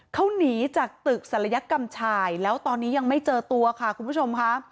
เขาหนีจากตึกศัลยกรรมชายแล้วตอนนี้ยังไม่เจอตัวค่ะคุณผู้ชมค่ะ